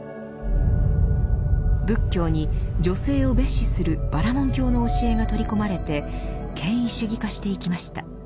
仏教に女性を蔑視するバラモン教の教えが取り込まれて権威主義化していきました。